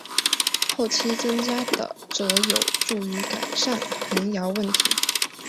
后期增加的则有助于改善横摇问题。